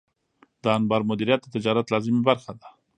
د انبار مدیریت د تجارت لازمي برخه ده.